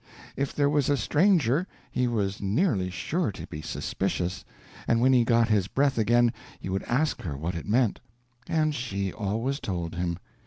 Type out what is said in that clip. If there was a stranger he was nearly sure to be suspicious, and when he got his breath again he would ask her what it meant. And she always told him.